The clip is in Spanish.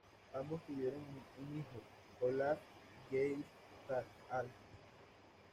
Ambos tuvieron un hijo, Olaf Geirstad-Alf.